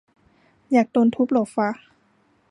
อยากโดนทุบเหรอฟะ